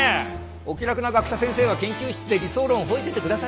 お気楽な学者先生は研究室で理想論ほえててくださいよ！